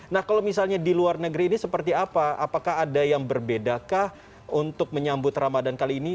nah kalau misalnya di luar negeri ini seperti apa apakah ada yang berbedakah untuk menyambut ramadan kali ini